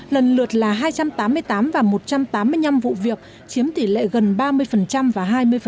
lần lượt là hai trăm tám mươi tám và một trăm tám mươi năm vụ việc chiếm tỷ lệ gần ba mươi và hai mươi